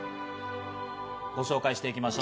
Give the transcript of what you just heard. ご紹介していきましょう。